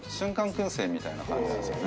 くん製みたいな感じなんですよね